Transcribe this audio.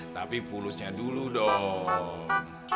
tapi pulusnya dulu pak haji kita pake yang lain aja ya